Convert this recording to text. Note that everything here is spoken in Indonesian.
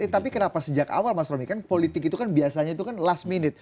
tapi kenapa sejak awal mas romi kan politik itu kan biasanya itu kan last minute